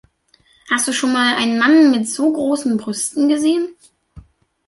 Hast du schon mal einen Mann mit so großen Brüsten gesehen?